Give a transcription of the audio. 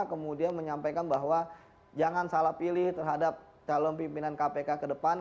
kemudian menyampaikan bahwa jangan salah pilih terhadap calon pimpinan kpk ke depan